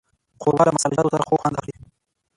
ښوروا له مسالهجاتو سره خوږ خوند اخلي.